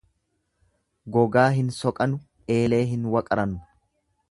Gogaa hin soqanu, eelee hin waqaranu.